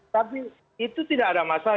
tapi itu tidak ada masalah